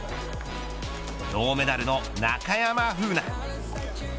銅メダルの中山楓奈。